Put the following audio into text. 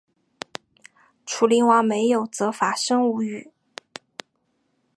楚灵王没有责罚申无宇。